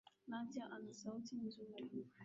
Nadia ana sauti nzuri.